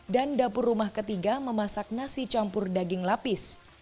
dan dapur rumah ketiga memasak nasi campur daging lapis